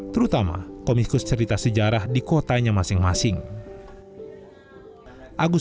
terutama komikus cerita sejarah di kotanya masing masing